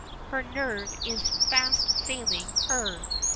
Her nerve is fast failing her.